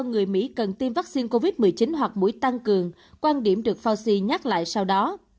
người mỹ cần tiêm vaccine covid một mươi chín hoặc mũi tăng cường quan điểm được fauci nhắc lại sau đó